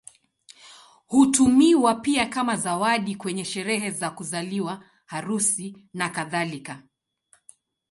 Hutumiwa pia kama zawadi kwenye sherehe za kuzaliwa, harusi, nakadhalika.